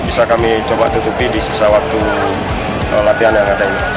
bisa kami coba tutupi di sisa waktu latihan yang ada ini